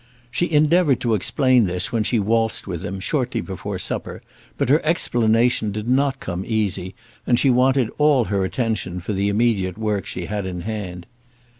She endeavoured to explain this when she waltzed with him, shortly before supper; but her explanation did not come easy, and she wanted all her attention for the immediate work she had in hand.